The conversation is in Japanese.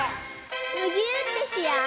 むぎゅーってしよう！